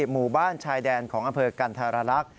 หมู่บ้านชายแดนของอำเภอกันธรรลักษณ์